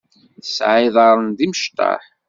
Tesɛa iḍaṛṛen d imecṭaḥ.